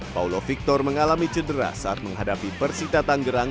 paulo victor mengalami cedera saat menghadapi persikatan gerang